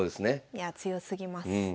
いや強すぎます。